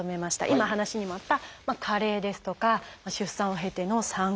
今話にもあった「加齢」ですとか出産を経ての「産後」。